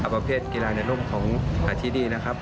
ประเภทกีฬาเณ่งคงที่ที่นี่นะครับ